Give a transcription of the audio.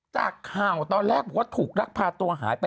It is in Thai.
จากข่าวตอนแรกบอกว่าถูกรักพาตัวหายไป